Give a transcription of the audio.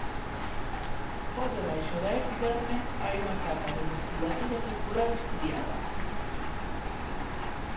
Por debaixo da epiderme hai unha capa de musculatura circular estriada.